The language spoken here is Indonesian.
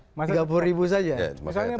ya semestinya tadi keterbatasan kartrader jadi masalah